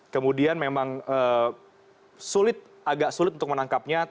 kemudian memang sulit agak sulit untuk menangkapnya